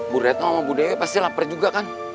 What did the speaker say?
bu retno sama bu dewi pasti lapar juga kan